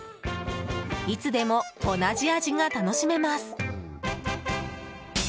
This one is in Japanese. いつでも同じ味が楽しめます。